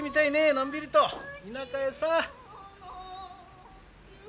のんびりと田舎へさ。